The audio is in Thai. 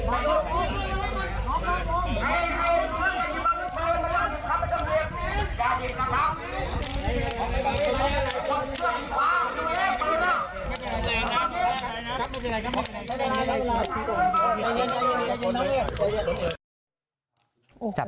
แล้วก็เป็นลูกเขยบ้านนี้ครับยิงพ่อตาแม่ยายจนตาย